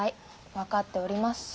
分かっております。